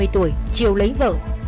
hai mươi tuổi triều lấy vợ